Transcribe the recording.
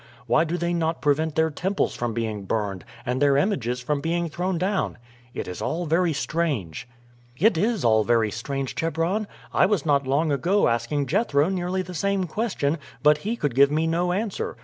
Why do they not prevent their temples from being burned and their images from being thrown down? It is all very strange." "It is all very strange, Chebron. I was not long ago asking Jethro nearly the same question, but he could give me no answer.